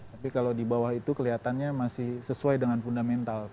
tapi kalau di bawah itu kelihatannya masih sesuai dengan fundamental